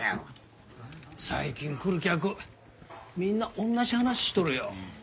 最近来る客みんな同じ話しとるよ。